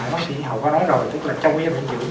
bác sĩ hậu có nói rồi tức là trong cái